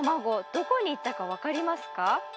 どこにいったか分かりますか？